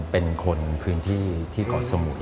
เป็นคนพื้นที่ก่อนสมุย